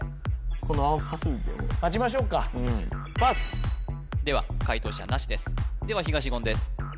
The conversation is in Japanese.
このままパスでも待ちましょうかでは解答者なしですでは東言です